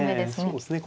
そうですね。